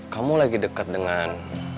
kamu lagi dekat dengan